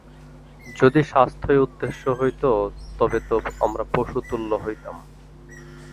যদি স্বাস্থ্যই উদ্দেশ্য হইতে, তবে তো আমরা পশুতুল্য হইতাম।